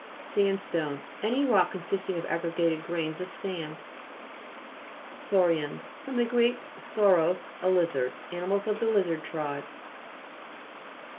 SANDSTONE Any rock consisting of aggregated grains of sand. SAU'RIANS fr. gr. sauros, a lizard. Animals of the lizard tribe.